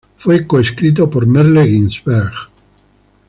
Fue co-escrito por Merle Ginsberg.